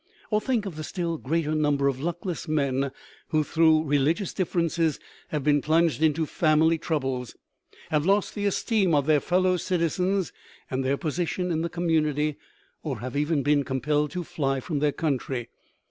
Or think of the still greater number of luckless men who, through religious differences, have been plunged into family troubles, have lost the esteem of their fellow citizens and their position in the community, or have even been compelled to fly from their country.